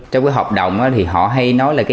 trong cái hợp đồng thì họ hay nói là cái